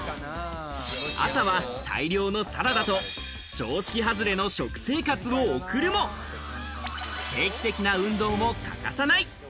朝は大量のサラダと常識外れの食生活を送るも、定期的な運動も欠かさない。